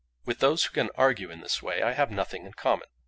"With those who can argue in this way I have nothing in common.